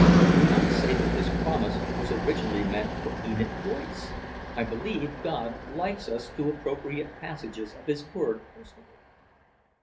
We might say that this promise was originally meant for Enid Royce! I believe God likes us to appropriate passages of His word personally."